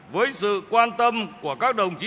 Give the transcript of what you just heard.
với sự quan tâm của các đồng chí